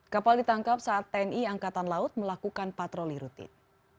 kapal ditangkap saat tni angkatan laut melakukan patroli rutin